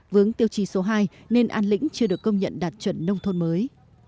vướng tiêu trì số hai nên an lĩnh chưa được công nhận đạt chuẩn nông thôn mới